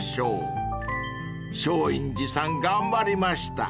［松陰寺さん頑張りました］